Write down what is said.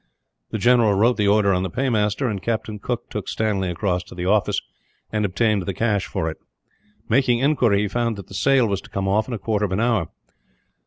The general wrote the order on the paymaster, and Captain Cooke took Stanley across to the office and obtained the cash for it. Making inquiry, he found that the sale was to come off in a quarter of an hour.